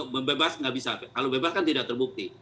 membebas nggak bisa kalau bebas kan tidak terbukti